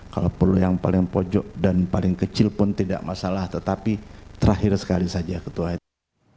kalau perlu yang paling pojok dan paling kecil pun tidak masalah tetapi terakhir sekali saja ketua itu